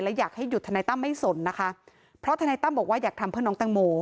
และอยากให้หยุดทนายตั้มไม่สนนะคะเพราะทนายตั้มบอกว่าอยากทำเพื่อน้องแตงโม